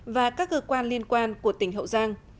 và các cơ quan liên quan của tỉnh hậu giang